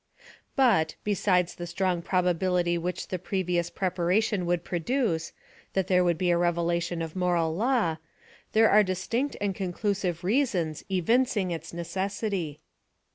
But, besides the strong probability which the pre , vious preparation would produce, that there would be a revelation of moral law, there are distinct and conclusive reasons, evincing its necessity.